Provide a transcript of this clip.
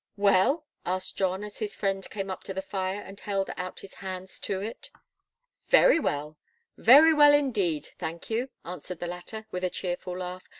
"Well?" asked John, as his friend came up to the fire, and held out his hands to it. "Very well very well, indeed, thank you," answered the latter, with a cheerful laugh.